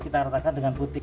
kita ratakan dengan putih